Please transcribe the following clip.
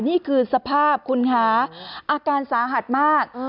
นี่คือสภาพคุณคะอาการสาหัสมาก